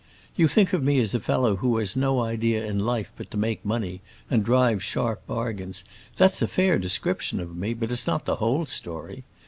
You think of me as a fellow who has had no idea in life but to make money and drive sharp bargains. That's a fair description of me, but it is not the whole story.